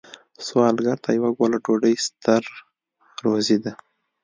سوالګر ته یوه ګوله ډوډۍ ستر روزی ده